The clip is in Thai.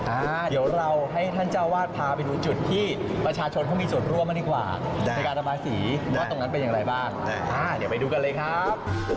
อ่าเดี๋ยวเราให้ท่านเจ้าวาดพาไปดูจุดที่ประชาชนเขามีส่วนร่วมมาดีกว่าในการระบายสีว่าตรงนั้นเป็นอย่างไรบ้างเดี๋ยวไปดูกันเลยครับ